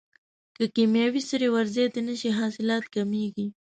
که کیمیاوي سرې ور زیاتې نشي حاصلات کمیږي.